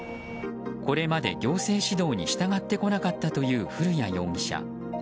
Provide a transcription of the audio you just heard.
これまで行政指導に従ってこなかったという古屋容疑者。